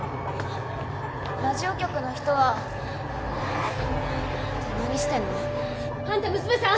ラジオ局の人は。って何してんの？あんた娘さん？